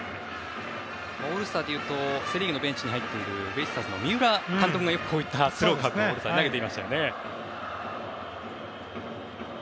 オールスターでいうとセ・リーグのベンチに入っているベイスターズの三浦監督がスローカーブをオールスターで投げていましたよね。